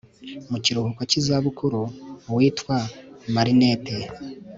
mu kiruhuko cy iza bukuru witwa Marinette